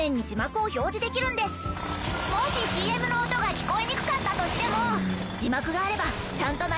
もしＣＭの音が聞こえにくかったとしても。